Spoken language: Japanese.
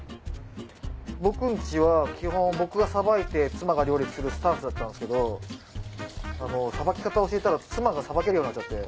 僕んちは基本僕がさばいて妻が料理するスタンスだったんですけどさばき方教えたら妻がさばけるようになっちゃって。